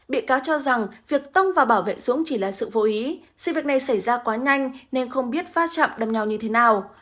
bị cáo cho rằng việc tông và bảo vệ dũng chỉ là sự vô ý sự việc này xảy ra quá nhanh nên không biết pha chạm đâm nhau như thế nào